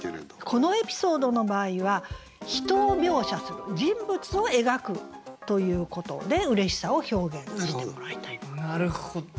このエピソードの場合は人を描写する人物を描くということで嬉しさを表現してもらいたい。